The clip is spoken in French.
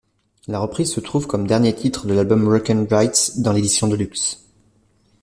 La reprise se trouve comme dernier titre de l'album Broken Brights dans l'édition Deluxe.